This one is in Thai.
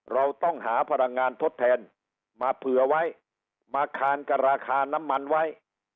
เราต้องหาพลังงานทดแทนมาเผื่อไว้มาคานกับราคาน้ำมันไว้